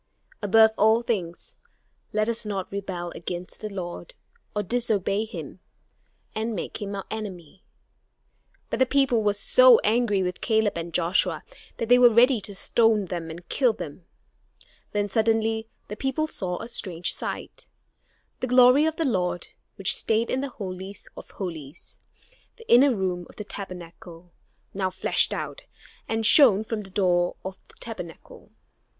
Above all things, let us not rebel against the Lord, or disobey him, and make him our enemy." But the people were so angry with Caleb and Joshua that they were ready to stone them and kill them. Then suddenly the people saw a strange sight. The glory of the Lord, which stayed in the Holy of Holies, the inner room of the Tabernacle, now flashed out, and shone from the door of the Tabernacle.